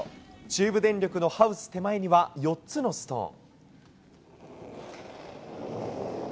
中部電力のハウス手前には４つのストーン。